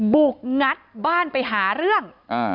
งัดบ้านไปหาเรื่อง